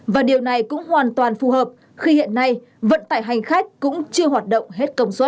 và điều này cũng hoàn toàn phù hợp khi hiện nay vận tải hành khách cũng chưa hoạt động hết công suất